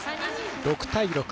６対６。